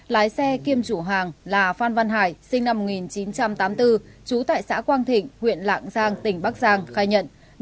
lái xe kiêm chủ hàng là phan văn hải sinh năm một nghìn chín trăm tám mươi bốn trú tại xã quang thịnh huyện lạng giang tỉnh bắc giang khai nhận